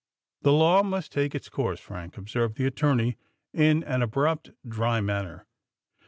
"The law must take its course, Frank," observed the attorney in an abrupt, dry manner.